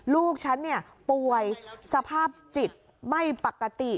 ลูกฉันป่วยสภาพจิตไม่ปกติ